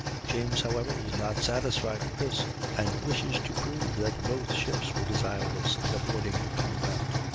James, however, is not satisfied with this, and wishes to prove that both ships were desirous of avoiding the combat.